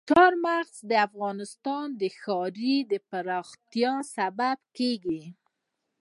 چار مغز د افغانستان د ښاري پراختیا سبب کېږي.